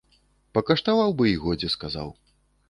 Пакаштаваў бы й годзе сказаў.